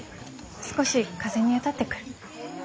少し風に当たってくる。